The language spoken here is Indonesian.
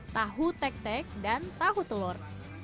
tahu tek tek dan tahu telur